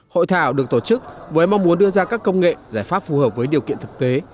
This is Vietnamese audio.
hội thảo được tổ chức với mong muốn đưa ra các công nghệ giải pháp phù hợp với điều kiện thực tế